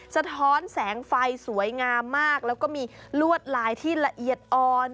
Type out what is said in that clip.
สะท้อนแสงไฟสวยงามมากแล้วก็มีลวดลายที่ละเอียดอ่อน